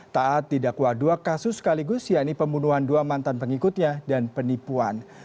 taat didakwa dua kasus sekaligus yaitu pembunuhan dua mantan pengikutnya dan penipuan